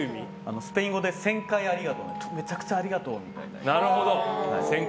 スペイン語で１０００回ありがとうめちゃくちゃありがとうみたいな。